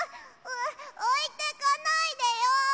おいてかないでよ！